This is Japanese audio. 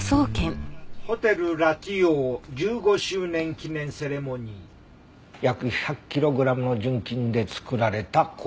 「ホテルラティオー１５周年記念セレモニー」約１００キログラムの純金で作られた五重塔か。